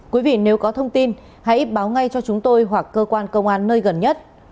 quý vị nếu có thông tin hãy báo ngay cho chúng tôi hoặc cơ quan công an nơi gần nhất